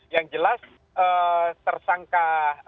yang jelas tersangka